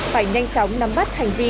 phải nhanh chóng nắm bắt hành vi